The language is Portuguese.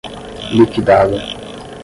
liquidada